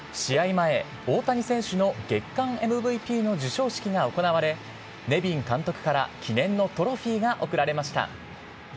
前、大谷選手の月間ＭＶＰの授賞式が行われ、ネビン監督から記念のトロフィーが贈られました。